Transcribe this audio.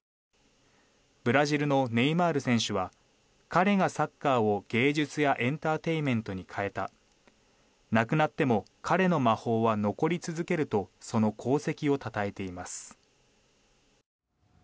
ブラジルのネイマール選手は彼がサッカーを芸術やエンターテインメントに変えた亡くなっても彼の魔法は残り続けるとその功績をたたえています。